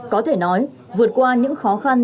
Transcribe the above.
có thể nói vượt qua những khó khăn